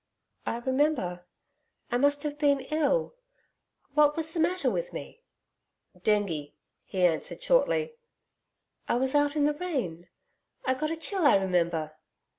'I remember.... I must have been ill. What was the matter with me?' 'Dengue,' he answered shortly. 'I was out in the rain.... I got a chill I remember.'